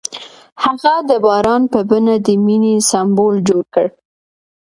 هغه د باران په بڼه د مینې سمبول جوړ کړ.